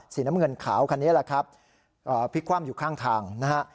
น้ำเงินขาวคันนี้แหละครับพลิกคว่ำอยู่ข้างทางนะฮะ